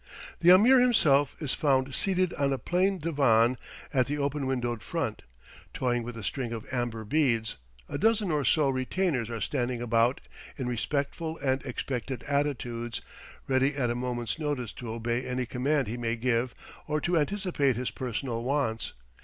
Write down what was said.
The Ameer himself is found seated on a plain divan at the open windowed front, toying with a string of amber beads; a dozen or so retainers are standing about in respectful and expectant attitudes, ready at a moment's notice to obey any command he may give or to anticipate his personal wants.